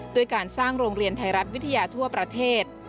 ด้วยการสร้างโรงเรียนไทยรัฐวิทยาทั่วประเทศ